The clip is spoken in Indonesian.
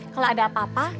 kalau ada apa apa